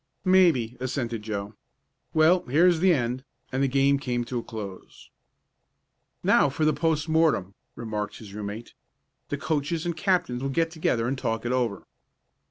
"Maybe," assented Joe. "Well, here's the end," and the game came to a close. "Now for the post mortem," remarked his room mate. "The coaches and captain will get together and talk it over."